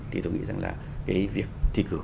thì tôi nghĩ rằng là cái việc thi cử